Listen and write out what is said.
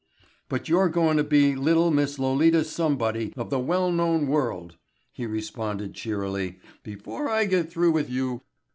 "But you're goin' to be little Miss Lolita Somebody of the well known world," he responded cheerily, "before I get through with you.